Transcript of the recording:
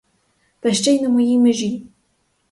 Та ще й на моїй межі!